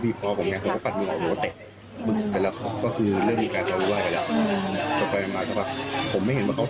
ผมคงคิดว่าเขาปล่อยผมปกติใช่ไหม